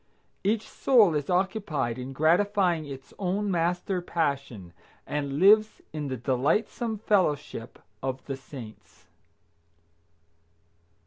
Each soul is occupied in gratifying its own master passion, and lives in the delightsome fellowship of the saints.